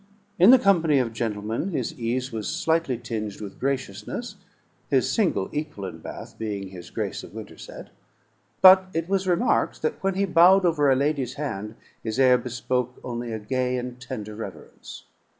In the company of gentlemen his ease was slightly tinged with graciousness (his single equal in Bath being his Grace of Winterset); but it was remarked that when he bowed over a lady's hand, his air bespoke only a gay and tender reverence.